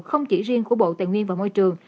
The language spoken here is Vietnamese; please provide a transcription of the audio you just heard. không chỉ riêng của bộ tài nguyên và môi trường